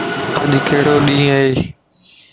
اڄ ڪھڙو ڏينھن ائي